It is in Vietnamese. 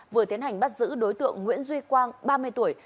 vừa tiến hành bắt giữ đối tượng nguyễn duy quang ba mươi tuổi